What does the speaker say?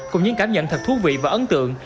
cùng những cảm nhận thật thú vị và ấn tượng